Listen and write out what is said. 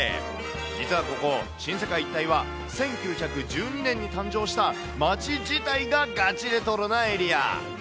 実はここ新世界一帯は、１９１２年に誕生した街自体がガチレトロなエリア。